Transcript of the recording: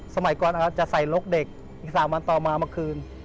สมัยก่อนจะใส่ลกเด็กอีก๓วันต่อมาเมื่อคืน